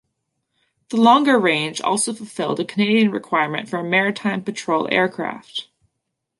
The longer range also fulfilled a Canadian requirement for a maritime patrol aircraft.